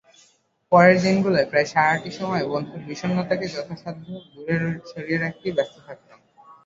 পরের দিনগুলোয় প্রায় সারাটি সময়ে বন্ধুর বিষন্নতাকে যথাসাধ্য দূরে সরিয়ে রাখতেই ব্যস্ত থাকতাম।